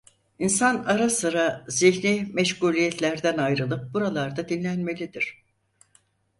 İnsan ara sıra zihni meşguliyetlerden ayrılıp buralarda dinlenmelidir.